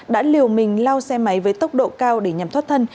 đã liều mình lao xe máy với tốc độ cao để nhằm thoát thân